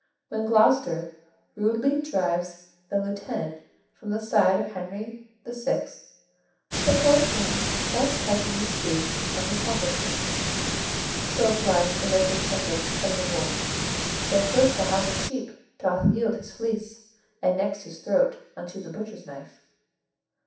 When Gloster rudely drives the lieutenant from the side of Henry VI., the poor king thus touchingly speaks of his helplessness; "So flies the reckless shepherd from the wolf: So first the harmless sheep doth yield his fleece, And next his throat, unto the butcher's knife."